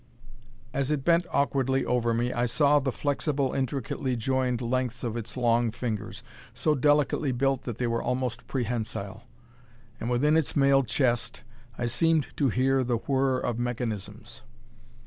As it bent awkwardly over me, I saw the flexible, intricately jointed lengths of its long fingers so delicately built that they were almost prehensile. And within its mailed chest I seemed to hear the whirr of mechanisms.